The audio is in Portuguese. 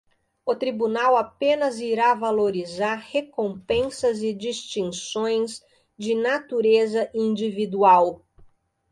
O Tribunal apenas irá valorizar recompensas e distinções de natureza individual.